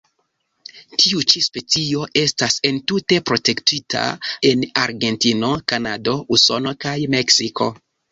Tiu ĉi specio estas entute protektita en Argentino, Kanado, Usono kaj Meksiko.